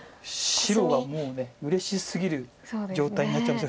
白がもううれしすぎる状態になっちゃいます。